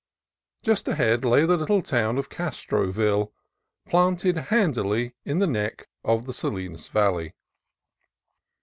Just ahead lay the little town of Castroville, planted handily in the neck of the Salinas Valley.